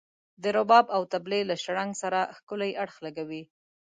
د رباب او طبلي له شرنګ سره ښکلی اړخ لګولی.